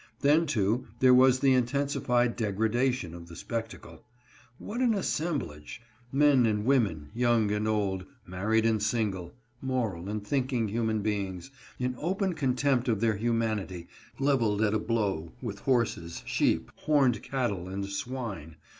Then, too, there was the intensified degradation of the spectacle. What an assemblage ! Men and women, young and old, married and single ; moral and thinking human beings, in open contempt of their humanity, leveled at a blow with horses, sheep, horned cattle, and swine.